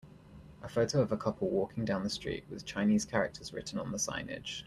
A photo of a couple walking down the street with Chinese characters written on the signage.